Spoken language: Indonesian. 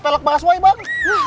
telek bahasway bang